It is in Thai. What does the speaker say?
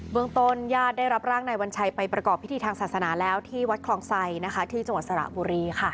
เมืองต้นญาติได้รับร่างนายวัญชัยไปประกอบพิธีทางศาสนาแล้วที่วัดคลองไซที่จังหวัดสระบุรีค่ะ